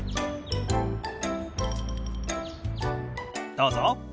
どうぞ。